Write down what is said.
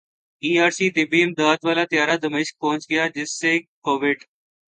ای R C طبی امداد والا طیارہ دمشق پہنچ گیا جس سے کوویڈ